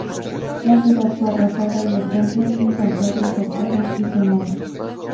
La ciudad fue arrasada, y los templos y santuarios saqueados y quemados.